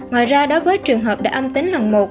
ngoài ra đối với trường hợp đã âm tính lần một